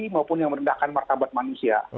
maupun yang merendahkan martabat manusia